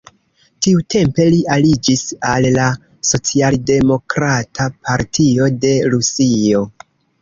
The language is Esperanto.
Tiutempe li aliĝis al la Socialdemokrata Partio de Rusio.